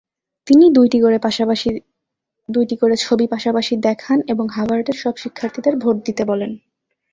তিনি দুইটি করে ছবি পাশাপাশি দেখান এবং হার্ভার্ডের সব শিক্ষার্থীদের ভোট দিতে বলেন।